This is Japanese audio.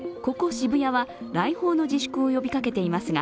渋谷は、来訪の自粛を呼びかけていますが